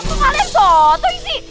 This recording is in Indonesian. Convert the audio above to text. kok kalian foto isi